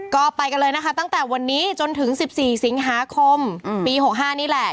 ก็ไปกันเลยนะคะตั้งแต่วันนี้จนถึง๑๔สิงหาคมปี๖๕นี่แหละ